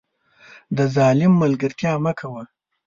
د ظالم ملګرتیا مه کوه